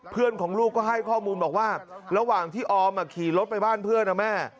เพื่อนของลูกก็ให้ข้อมูลบอกว่าระหว่างที่ออมขี่รถไปบ้านเพื่อนนะแม่